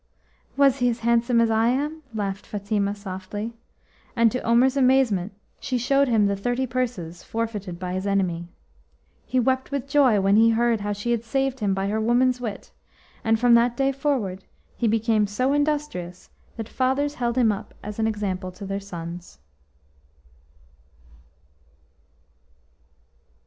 "Was he as handsome as I am?" laughed Fatima softly, and to Omer's amazement she showed him the thirty purses forfeited by his enemy. He wept with joy when he heard how she had saved him by her woman's wit, and from that day forward he became so industrious that fathers held him up as an example to their sons.